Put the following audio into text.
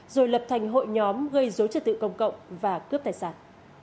rồi lập thành hội nhóm gây dối trật tự công cộng và cướp tài sản